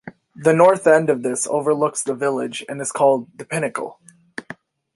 The North end of this overlooks the village and is called "the Pinnacle".